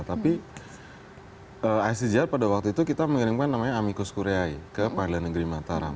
tapi icjr pada waktu itu kita mengirimkan namanya amicus korea ke thailand negeri mataram